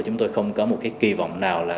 chúng tôi không có một cái kỳ vọng nào là